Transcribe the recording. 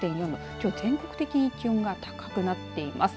きょう全国的に気温が高くなってきています。